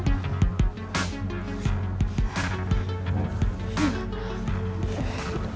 sini lu mau duduk